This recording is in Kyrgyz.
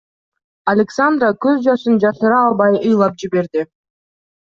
Александра көз жашын жашыра албай ыйлап жиберди.